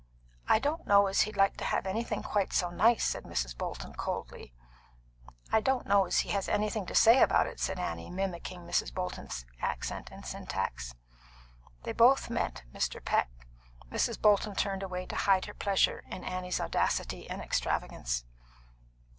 "I don't know as he'd like to have anything quite so nice," said Mrs. Bolton coldly. "I don't know as he has anything to say about it," said Annie, mimicking Mrs. Bolton's accent and syntax. They both meant Mr. Peck. Mrs. Bolton turned away to hide her pleasure in Annie's audacity and extravagance.